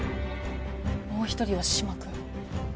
もう一人は嶋君。